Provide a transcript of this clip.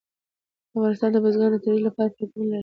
افغانستان د بزګان د ترویج لپاره پروګرامونه لري.